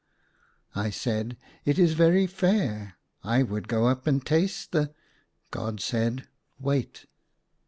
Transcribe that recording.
I said, "It is very fair ; I would go up and taste the " God said, " Wait."